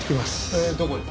えっどこへ？